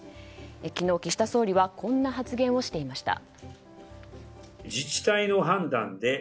昨日、岸田総理はこんな発言をしていました。